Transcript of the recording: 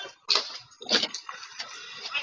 สวัสดีครับ